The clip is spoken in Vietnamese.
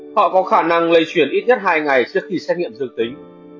họ có khả năng lây chuyển ít nhất hai ngày trước khi xét nghiệm dương tính